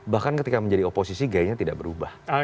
bahkan ketika menjadi oposisi gayanya tidak berubah